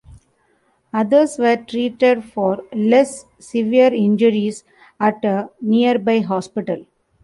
Others were treated for less severe injuries at a nearby hospital.